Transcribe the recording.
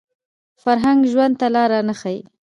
فرهنګ ژوند ته لاره نه ښيي